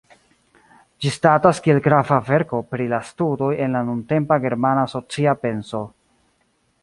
Ĝi statas kiel grava verko pri la studoj en la nuntempa germana socia penso.